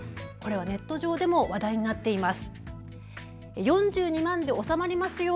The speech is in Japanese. ネット上でも話題になっています。